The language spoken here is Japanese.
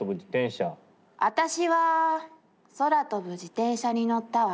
「あたしは空飛ぶ自転車に乗ったわ。